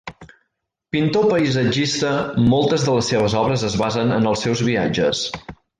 Pintor paisatgista, moltes de les seves obres es basen en els seus viatges.